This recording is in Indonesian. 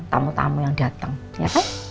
tamu tamu yang datang ya